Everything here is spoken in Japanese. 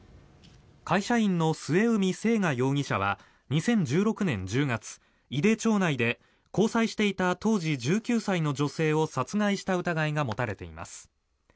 会社員の末海征河容疑者は２０１６年１０月井手町内で交際していた当時１９歳の女性を殺害した疑いが持たれています。